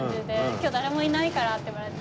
「今日誰もいないから」って言われて。